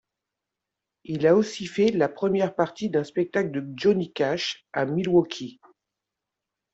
Il a aussi fait la première partie d'un spectacle de Johnny Cash à Milwaukee.